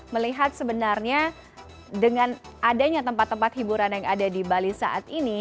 melihat sebenarnya dengan adanya tempat tempat hiburan yang ada di bali saat ini